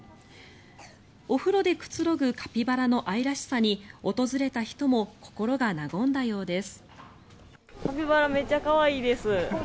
お風呂でくつろぐカピバラの愛らしさに訪れた人も心が和んだようです。